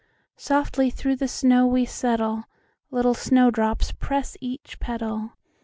"Softly through the snow we settle, Little snow drops press each petal.